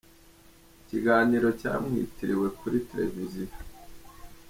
ikiganiro cyamwitiriwe kuri Televiziyo.